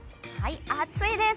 暑いです。